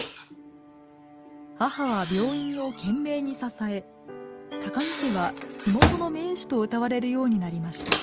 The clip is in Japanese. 母は病院を懸命に支え高木家は地元の名士とうたわれるようになりました。